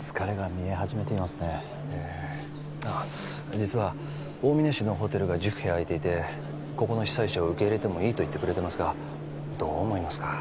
実は大峰市のホテルが１０部屋空いていてここの被災者を受け入れてもいいと言ってくれてますがどう思いますか？